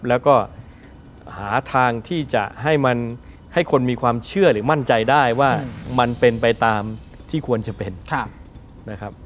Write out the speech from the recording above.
แล้วก็หาทางที่จะให้มันให้คนมีความเชื่อหรือมั่นใจได้ว่ามันเป็นไปตามที่ควรจะเป็นนะครับ